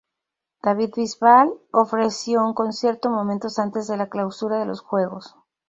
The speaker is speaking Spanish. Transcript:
David Bisbal ofreció un concierto momentos antes de la clausura de los juegos.